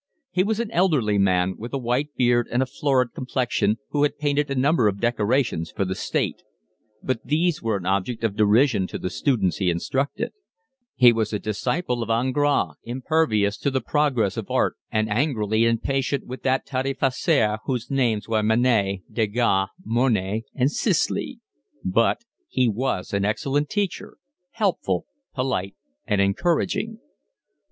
He was an elderly man, with a white beard and a florid complexion, who had painted a number of decorations for the State, but these were an object of derision to the students he instructed: he was a disciple of Ingres, impervious to the progress of art and angrily impatient with that tas de farceurs whose names were Manet, Degas, Monet, and Sisley; but he was an excellent teacher, helpful, polite, and encouraging.